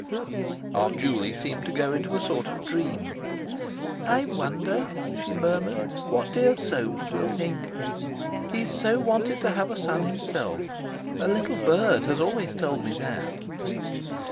Aunt Juley seemed to go into a sort of dream. "I wonder," she murmured, "what dear Soames will think? He has so wanted to have a son himself. A little bird has always told me that."